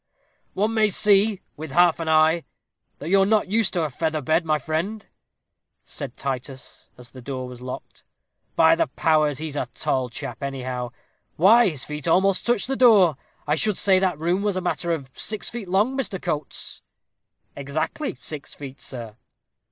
"One may see, with half an eye, that you're not used to a feather bed, my friend," said Titus, as the door was locked. "By the powers, he's a tall chap, anyhow why his feet almost touch the door. I should say that room was a matter of six feet long, Mr. Coates." "Exactly six feet, sir."